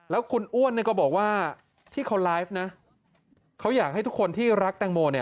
แล้วคุณอ้วนก็บอกว่าที่เขาไลฟ์นะเขาอยากให้ทุกคนที่รักแตงโมเนี่ย